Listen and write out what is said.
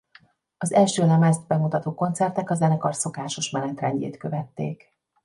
Az első lemezt bemutató koncertek a zenekar szokásos menetrendjét követték.